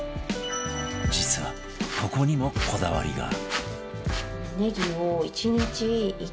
実はここにもこだわりが